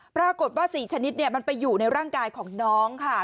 ปรากฏว่า๔ชนิดมันไปอยู่ในร่างกายของน้องค่ะ